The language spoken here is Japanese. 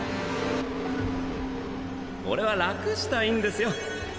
俺は楽したいんですよ。